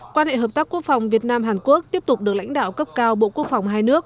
quan hệ hợp tác quốc phòng việt nam hàn quốc tiếp tục được lãnh đạo cấp cao bộ quốc phòng hai nước